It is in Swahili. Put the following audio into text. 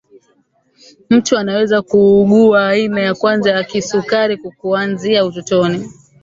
mtu anaweza kuugua aina ya kwanza ya kisukari kukuanzia utotoni